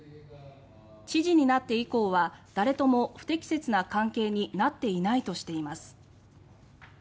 知事になって以降は誰とも不適切な関係になっていないとしています。